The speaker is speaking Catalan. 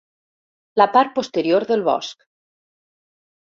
La part posterior del bosc.